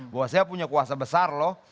bahwa saya punya kuasa besar loh